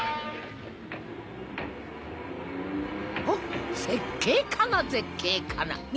おおっ絶景かな絶景かな